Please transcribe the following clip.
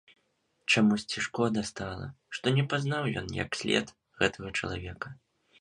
Чамусьці шкода стала, што не пазнаў ён як след гэтага чалавека.